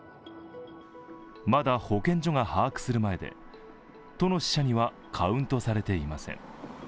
まだ保健所が把握する前で、都の死者にはカウントされていません。